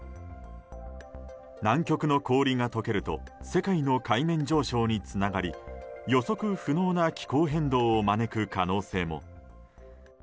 南極の氷が解けると世界の海面上昇につながり予測不能な気候変動を招く可能性も。